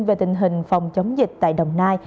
về tình hình phòng chống dịch tại đồng nai